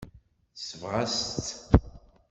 Tesbeɣ-as-tt.